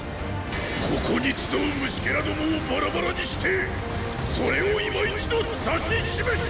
ここに集う虫ケラどもをバラバラにしてそれを今一度指し示してやろうぞ！！